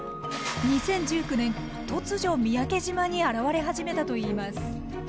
２０１９年突如三宅島に現れ始めたといいます。